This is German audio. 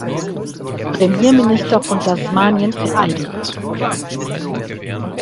Premierminister von Tasmanien vereidigt.